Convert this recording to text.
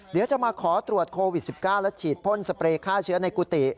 เดี๋ยวจะมาขอตรวจโควิด๑๙และฉีดพ่นสเปรย์ฆ่าเชื้อในกุฏิ